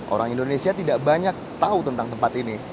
orang indonesia tidak banyak tahu tentang tempat ini